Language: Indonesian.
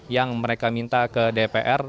yang mereka minta ke dpr